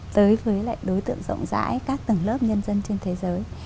tới với lại đối tượng rộng rãi các tầng lớp nhân dân trên thế giới